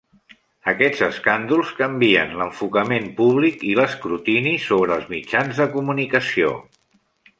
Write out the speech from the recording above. Aquests escàndols canvien l'enfocament públic i l'escrutini sobre els mitjans de comunicació.